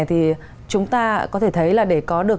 thì chúng ta có thể thấy là để có được